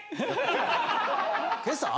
今朝？